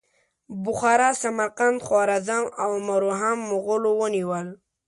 بخارا، سمرقند، خوارزم او مرو هم مغولو ونیول.